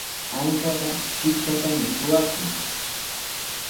Ankaqa chipshatami suqakun.